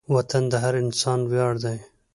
وطن د هر انسان ویاړ دی.